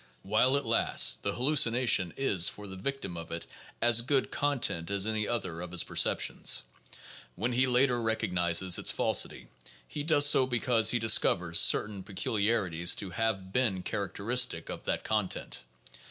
"While it lasts, the hallucination is for the victim of it as good "content" as any other of his perceptions. When he later recognizes its falsity, he does so because he discovers certain peculiarities to have been characteristic of that content.